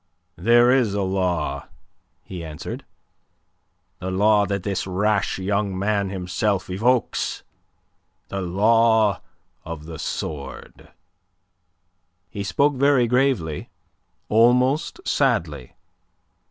"There is a law," he answered. "The law that this rash young man himself evokes. The law of the sword." He spoke very gravely, almost sadly.